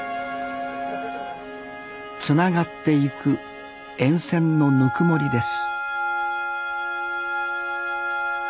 つながっていく沿線のぬくもりです